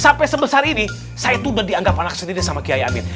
sampai sebesar ini saya itu udah dianggap anak sendiri sama kiai amin